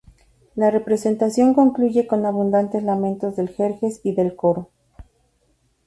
La representación concluye con abundantes lamentos del Jerjes y del coro.